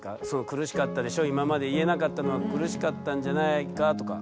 苦しかったでしょ今まで言えなかったのは苦しかったんじゃないかとか。